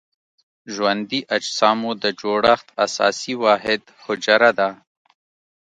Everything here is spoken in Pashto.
ژوندي اجسامو د جوړښت اساسي واحد حجره ده.